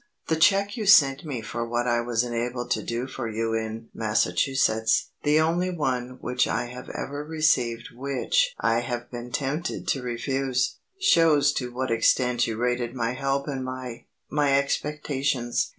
The cheque you sent me for what I was enabled to do for you in Massachusetts (the only one I have ever received which I have been tempted to refuse) shows to what extent you rated my help and my my expectations.